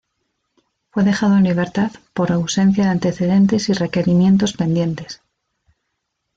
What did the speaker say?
Fue dejado en libertad por ausencia de antecedentes y requerimientos pendientes.